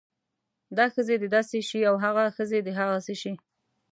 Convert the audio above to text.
دا ښځې د داسې شی او هاغه ښځې د هاسې شی